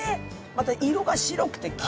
また色が白くてきれい。